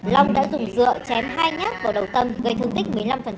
long đã dùng dựa chém hai nhát vào đầu tâm gây thương tích một mươi năm